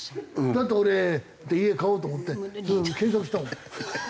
だって俺家買おうと思って検索したもん。